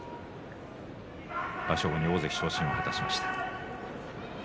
場所後に大関昇進を果たしました。